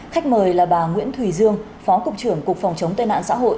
khách mời là bà nguyễn thùy dương phó cục trưởng cục phòng chống tệ nạn xã hội